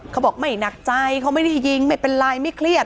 เขาบอกไม่หนักใจเขาไม่ได้ยิงไม่เป็นไรไม่เครียด